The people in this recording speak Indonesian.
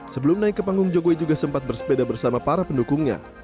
sebelum naik ke panggung jokowi juga sempat bersepeda bersama para pendukungnya